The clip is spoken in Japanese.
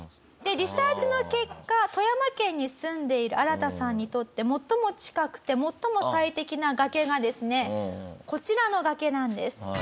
でリサーチの結果富山県に住んでいるアラタさんにとって最も近くて最も最適な崖がですねこちらの崖なんです。